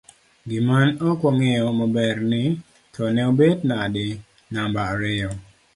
gimane ok wang'eyo maber ni to ne obet nadi namba ariyo